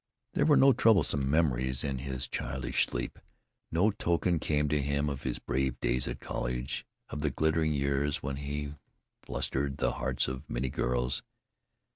There were no troublesome memories in his childish sleep; no token came to him of his brave days at college, of the glittering years when he flustered the hearts of many girls.